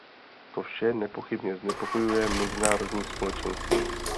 To vše nepochybně znepokojuje mezinárodní společenství.